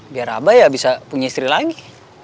biar abah ya bisa punya istri lagi